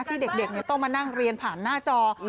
ที่เด็กต้องมานั่งเรียนผ่านหน้าจอ